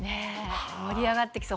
盛り上がってきそう。